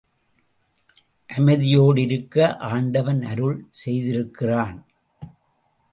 அமைதியோடு இருக்க ஆண்டவன் அருள் செய்திருக்கிறான்.